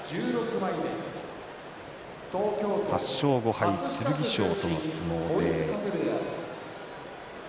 ８勝５敗、剣翔との相撲。